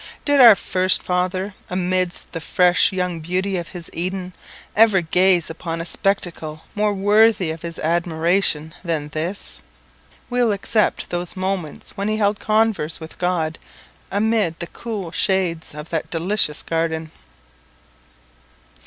Did our first father, amidst the fresh young beauty of his Eden, ever gaze upon a spectacle more worthy of his admiration than this? We will except those moments when he held converse with God amid the cool shades of that delicious garden.